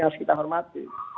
yang harus kita hormati